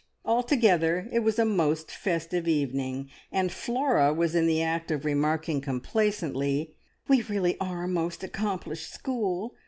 Altogether it was a most festive evening, and Flora was in the act of remarking complacently, "We really are a most accomplished school!"